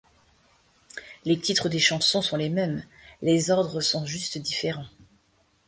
Les titres des chansons sont les mêmes, les ordres sont juste différents.